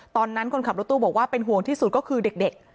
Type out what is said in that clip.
ตอนนั้นคนขับรถตู้บอกว่าเป็นห่วงที่สุดก็คือเด็ก